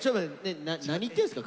何言ってんすか？